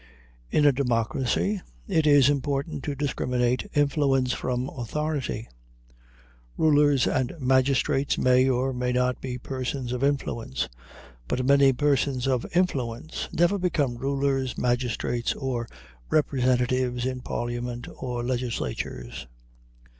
In a democracy, it is important to discriminate influence from authority. Rulers and magistrates may or may not be persons of influence; but many persons of influence never become rulers, magistrates, or representatives in parliaments or legislatures.